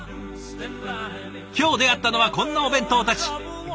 今日出会ったのはこんなお弁当たち。